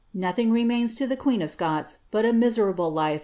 Nothing remains to the queen of Scots but a mise ^ Aikin.